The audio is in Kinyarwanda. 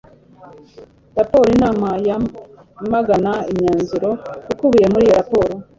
Report Inama yamagana imyanzuro ikubiye muri iyo raporo